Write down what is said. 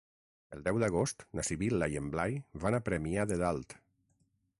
El deu d'agost na Sibil·la i en Blai van a Premià de Dalt.